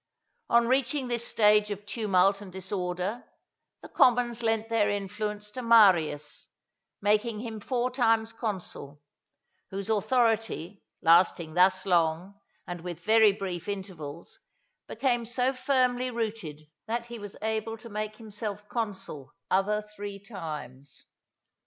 On reaching this stage of tumult and disorder, the commons lent their influence to Marius, making him four times consul; whose authority, lasting thus long, and with very brief intervals, became so firmly rooted that he was able to make himself consul other three times.